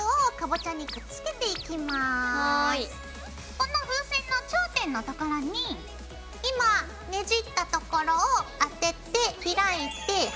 この風船の頂点のところに今ねじったところを当てて開いてはさむような感じ。